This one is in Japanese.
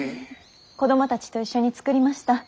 子供たちと一緒に作りました。